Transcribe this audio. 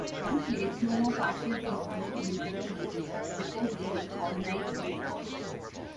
Young played two more partial seasons in the minor leagues before leaving organized baseball.